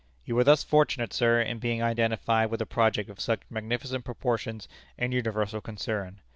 You were thus fortunate, sir, in being identified with a project of such magnificent proportions and universal concern.